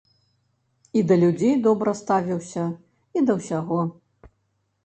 І да людзей добра ставіўся, і да ўсяго.